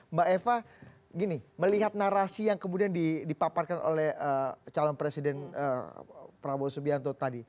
mbak eva gini melihat narasi yang kemudian dipaparkan oleh calon presiden prabowo subianto tadi